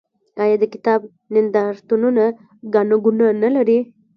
آیا د کتاب نندارتونونه ګڼه ګوڼه نلري؟